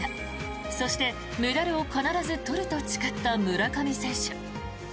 そしてメダルを必ず取ると誓った村上選手。